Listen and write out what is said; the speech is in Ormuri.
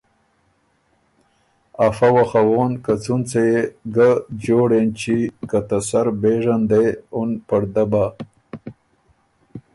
افۀ وخوون که څون څۀ يې ګۀ جوړ اېنچی که ته سر بېژه ن دې اُن پړده بَۀ